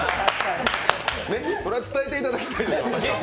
それは伝えていただきたいです。